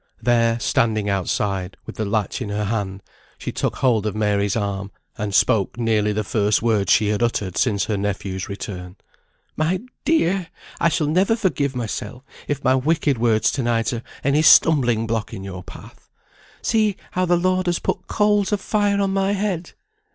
There, standing outside, with the latch in her hand, she took hold of Mary's arm, and spoke nearly the first words she had uttered since her nephew's return. "My dear! I shall never forgive mysel, if my wicked words to night are any stumbling block in your path. See how the Lord has put coals of fire on my head!